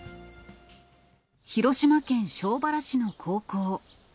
広島県庄原市の高校。